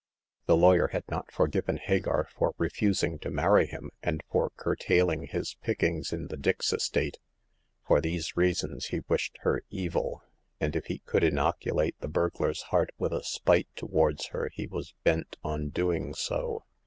The lawyer had not forgiven Hagar for refusing to marry him, and for curtail ing his pickings in the Dix estate. For these reasons he wished her evil ; and if he could in oculate the burglar's heart with a spite towards her he was bent on doing so.